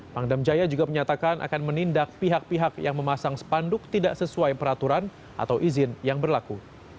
pangdam jaya juga menyatakan akan menindak pihak pihak yang memasang spanduk tidak sesuai peraturan atau izin yang berlaku